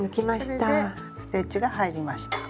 それでステッチが入りました。